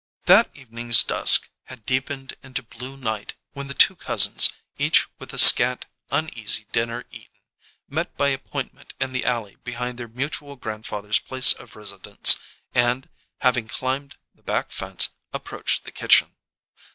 That evening's dusk had deepened into blue night when the two cousins, each with a scant, uneasy dinner eaten, met by appointment in the alley behind their mutual grandfather's place of residence, and, having climbed the back fence, approached the kitchen.